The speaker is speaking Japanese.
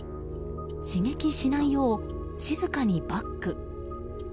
刺激しないよう静かにバック。